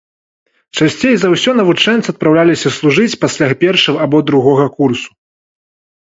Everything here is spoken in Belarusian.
Часцей за ўсё навучэнцы адпраўляліся служыць пасля першага або другога курсу.